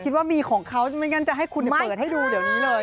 คิดว่ามีของเขาไม่งั้นจะให้คุณเปิดให้ดูเดี๋ยวนี้เลย